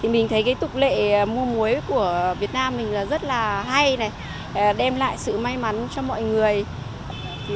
mình thấy tục lệ mua muối của việt nam rất hay đem lại sự may mắn cho mọi người